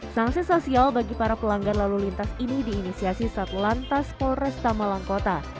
sangsi sosial bagi para pelanggar lalu lintas ini diinisiasi satulan tas polresta malangkota